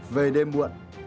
về đêm muộn